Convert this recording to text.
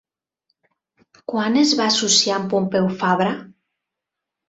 Quan es va associar amb Pompeu Fabra?